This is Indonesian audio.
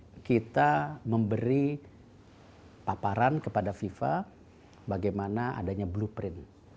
karena kita memberi paparan kepada viva bagaimana adanya blueprint